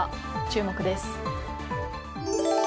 注目です。